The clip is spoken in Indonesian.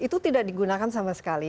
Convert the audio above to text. itu tidak digunakan sama sekali